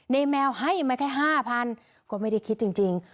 แมวให้มาแค่๕๐๐ก็ไม่ได้คิดจริง